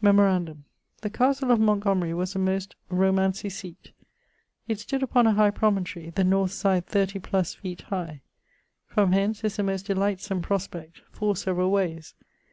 Memorandum: the castle of Montgomery was a most romancy seate. It stood upon a high promontory, the north side 30+ feete high. From hence is a most delightsome prospect, 4 severall wayes.